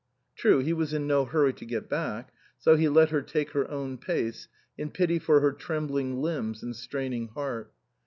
True, he was in no hurry to get back ; so he let her take her own pace, in pity for her trembling limbs and straining heart.